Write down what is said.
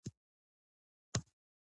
که خوشحالی وي نو مخ نه ژیړیږي.